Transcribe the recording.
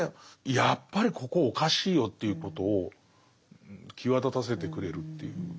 やっぱりここおかしいよっていうことを際立たせてくれるっていう。